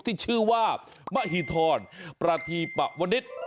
ที่ชื่อว่ามหิธรประทีปะวนิษฐ์